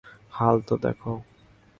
হাল তো দেখো।